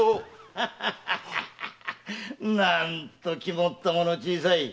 なんと肝っ玉の小さい。